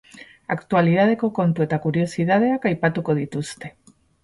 Aktualitateko kontu eta kuriositateak aipatuko dituzte.